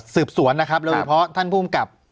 สืบสวนนะครับมาพอท่านพูดกลับ